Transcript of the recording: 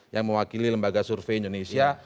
yang mewakili lembaga survei indonesia